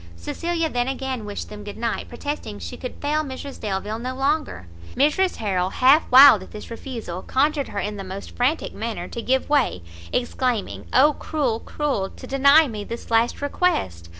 Cecilia then again wished them good night, protesting she could fail Mrs Delvile no longer. Mrs Harrel, half wild at this refusal, conjured her in the most frantic manner, to give way, exclaiming, "Oh cruel! cruel! to deny me this last request!